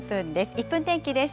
１分天気です。